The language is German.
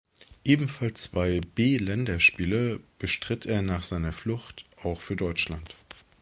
Ebenfalls zwei B-Länderspiele bestritt er nach seiner Flucht auch für Deutschland.